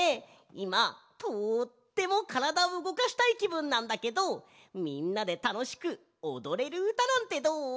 いまとってもからだをうごかしたいきぶんなんだけどみんなでたのしくおどれるうたなんてどう？